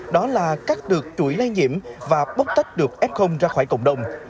đó là cắt được chuỗi lây nhiễm và bốc tách được f ra khỏi cộng đồng